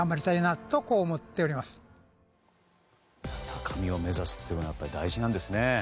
高みを目指すということは大事なんですね。